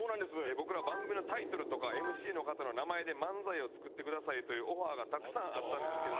僕ら番組のタイトルとかＭＣの方の名前で漫才を作ってくださいというオファーがたくさんあったんですけれども。